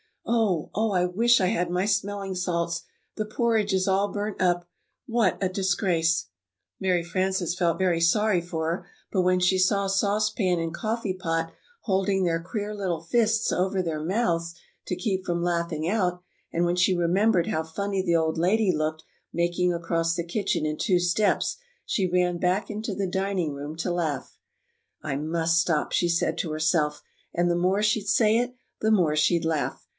"Oh, oh, I wish I had my smelling salts! The porridge is all burnt up! What a disgrace!" Mary Frances felt very sorry for her, but when she saw Sauce Pan and Coffee Pot holding their queer little fists over their mouths to keep from laughing out, and when she remembered how funny the old lady looked making across the kitchen in two steps, she ran back into the dining room to laugh. [Illustration: She ran into the dining room to laugh] "I must stop," she'd say to herself and the more she'd say it, the more she'd laugh.